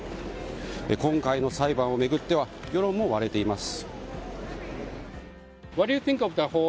今回の裁判を巡っては世論も割れています。